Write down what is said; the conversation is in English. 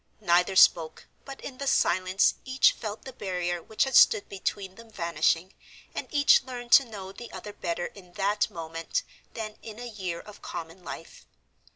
Neither spoke, but in the silence each felt the barrier which had stood between them vanishing, and each learned to know the other better in that moment than in a year of common life.